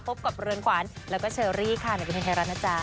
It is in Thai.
พบกับเรือนขวัญแล้วก็เชอรี่ค่ะในบันเทิงไทยรัฐนะจ๊ะ